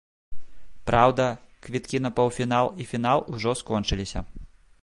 Праўда, квіткі на паўфінал і фінал ужо скончыліся.